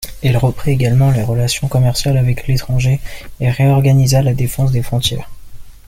Il reprit également les relations commerciales avec l'étranger et réorganisa la défense des frontières.